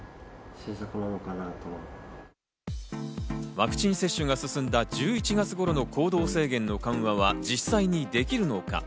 ワクチン接種が進んだ１１月頃の行動制限の緩和は、実際にできるのか。